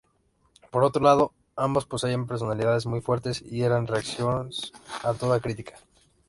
Por otro lado, ambos poseían personalidades muy fuertes y eran reacios a toda crítica.